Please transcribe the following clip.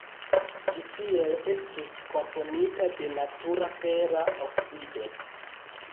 Ĝi tiele estus komponita de natura fera oksido.